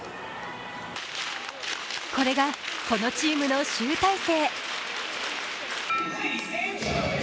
これがこのチームの集大成。